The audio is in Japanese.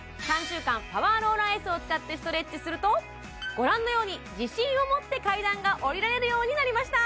３週間パワーローラーＳを使ってストレッチするとご覧のように自信をもって階段が下りられるようになりました